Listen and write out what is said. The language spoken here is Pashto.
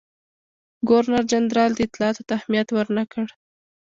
ګورنرجنرال دې اطلاعاتو ته اهمیت ورنه کړ.